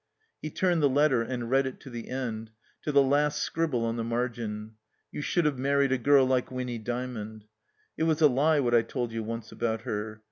He turned the letter and read it to the end, to the last scribble on the margin: You should have mar ried a girl like Winny Dsmiond." "It was a lie what I told you once about her."